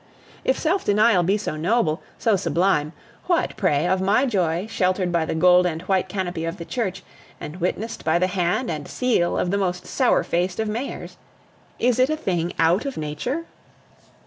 If self denial be so noble, so sublime, what, pray, of my joy, sheltered by the gold and white canopy of the church, and witnessed by the hand and seal of the most sour faced of mayors? Is it a thing out of nature?